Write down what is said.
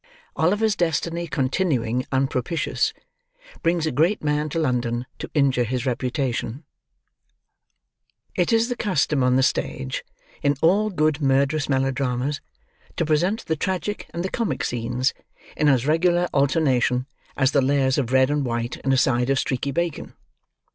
OLIVER'S DESTINY CONTINUING UNPROPITIOUS, BRINGS A GREAT MAN TO LONDON TO INJURE HIS REPUTATION It is the custom on the stage, in all good murderous melodramas, to present the tragic and the comic scenes, in as regular alternation, as the layers of red and white in a side of streaky bacon.